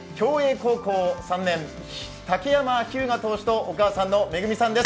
高校３年、竹山日向投手とお母さんのめぐみさんです。